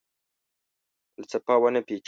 فلسفه ونه پیچي